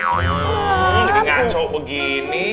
oh jadi ngaco begini